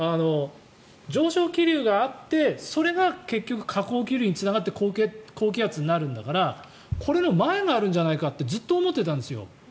上昇気流があって、それが結局下降気流につながって高気圧になるんだからこれの前があるんじゃないかってずっと思ってたんですよ。